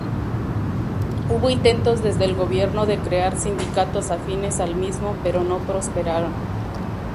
Hubo intentos desde el gobierno de crear sindicatos afines al mismo, pero no prosperaron.